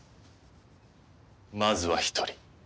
まずは１人。